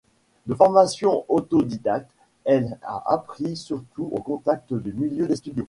De formation autodidacte elle a appris surtout au contact du milieu des studios.